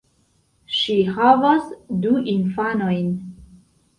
Ŝi havas du infanojn.